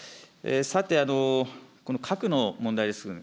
さて、核の問題です。